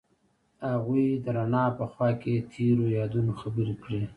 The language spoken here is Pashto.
هغوی د رڼا په خوا کې تیرو یادونو خبرې کړې.